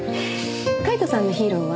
カイトさんのヒーローは？